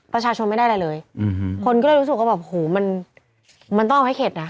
ประชาชนไม่ได้อะไรเลยคนก็เลยรู้สึกว่าแบบโหมันมันต้องเอาให้เข็ดนะ